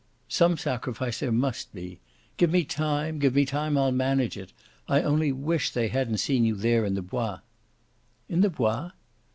"Some sacrifice there must be. Give me time give me time, I'll manage it. I only wish they hadn't seen you there in the Bois." "In the Bois?"